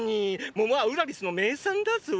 桃はウラリスの名産だぞ。